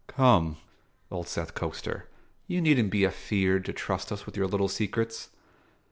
"Come," Old Seth coaxed her, "you needn' be afeard to trust us with your little secrets."